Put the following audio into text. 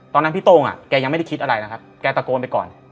ตอนนั้นพี่โต้งแกยังไม่ได้คิดอะไรนะครับแกตะโกนไปก่อน